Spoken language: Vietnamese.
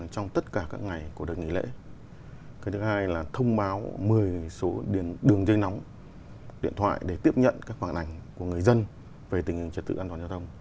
trong tất cả các ngày của đợt nghỉ lễ thứ hai là thông báo một mươi số đường dây nóng điện thoại để tiếp nhận các phản ảnh của người dân về tình hình trật tự an toàn giao thông